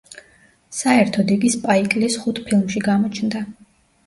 საერთოდ, იგი სპაიკ ლის ხუთ ფილმში გამოჩნდა.